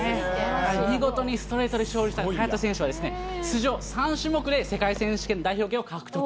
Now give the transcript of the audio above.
見事にストレートで勝利した早田選手は、出場３種目で世界選手権代表権を獲得。